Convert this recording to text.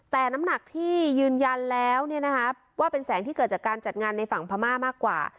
แต่น้ำหนักที่ยืนยันแล้วว่าเป็นแสงที่เกิดจากการจัดงานในฝั่งพม่ามากกว่า